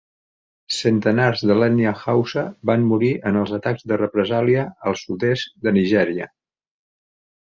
Centenars de l'ètnia Haussa van morir en els atacs de represàlia al sud-est de Nigèria.